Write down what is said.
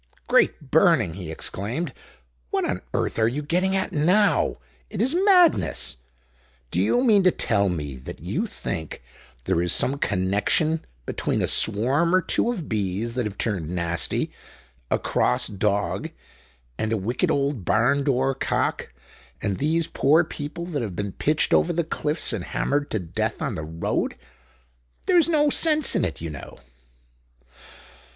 "Great burning!" he exclaimed. "What on earth are you getting at now? It is madness. Do you mean to tell me that you think there is some connection between a swarm or two of bees that have turned nasty, a cross dog, and a wicked old barn door cock and these poor people that have been pitched over the cliffs and hammered to death on the road? There's no sense in it, you know."